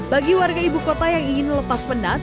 bagi warga ibu kota yang ingin melepas penat